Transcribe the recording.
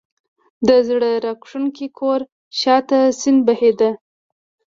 د زړه راکښونکي کور شا ته سیند بهېده.